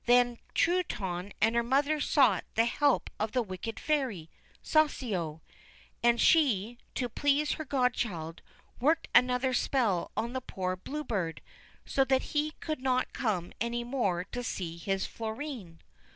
Then Truitonne and her mother sought the help of the wicked fairy Soussio ; and she, to please her godchild, worked another spell on the poor Blue Bird, so that he could not come any more to see his Florine.